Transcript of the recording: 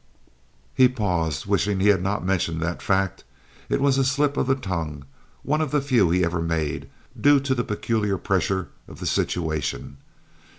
He paused, wishing he had not mentioned that fact. It was a slip of the tongue, one of the few he ever made, due to the peculiar pressure of the situation.